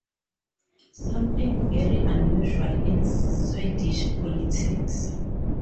Something very unusual in Swedish politics.